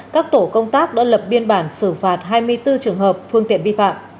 các tổ công tác đã lập biên bản xử phạt hai mươi bốn trường hợp phương tiện vi phạm